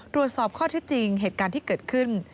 ตรวจสอบข้อที่จริงเหตุการณ์ที่เกิดขึ้น